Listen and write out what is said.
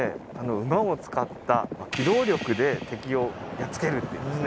馬を使った機動力で敵をやっつけるっていうですね